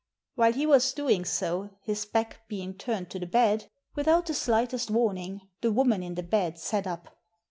While he was doing so, his back being turned to the bed, without the slighest warning, the woman in the bed sat up.